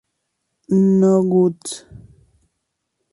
No Guts.